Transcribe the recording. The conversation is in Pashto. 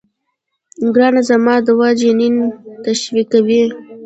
ګرانه زما دوا جنين تشويقوي.